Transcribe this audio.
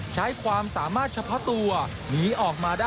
ใช้ความสามารถเฉพาะตัวหนีออกมาได้